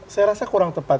saya rasa kurang tepat